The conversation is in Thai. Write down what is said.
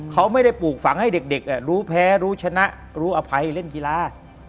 เขาไม่ได้ปลูกฝังให้เด็กรู้แพ้รู้ชนะรู้อภัยเล่นกีฬา